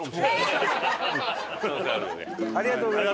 ありがとうございます。